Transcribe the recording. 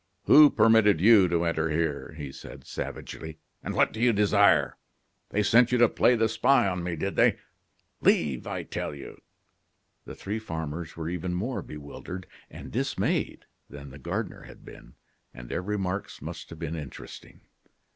"Who permitted you to enter here?" he said, savagely, "and what do you desire? They sent you to play the spy on me, did they? Leave, I tell you!" The three farmers were even more bewildered and dismayed than the gardener had been, and their remarks must have been interesting.